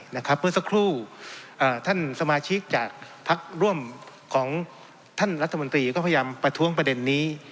เมื่อสักครู่ท่านสมาชิกจากพักร่วมของท่านรัฐมนตรีก็พยายามประท้วงประเด็นนี้